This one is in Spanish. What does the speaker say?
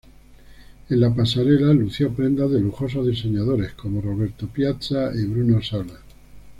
En la pasarela lució prendas de lujosos diseñadores como Roberto Piazza.y Bruno Salas.